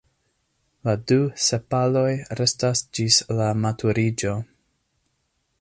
La du sepaloj restas ĝis la maturiĝo.